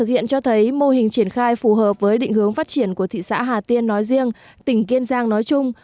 cải thiện hướng phát triển của thị xã hà tiên nói riêng tỉnh kiên giang nói chung